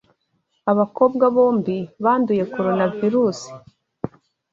Abakobwa bombi banduye Coronavirus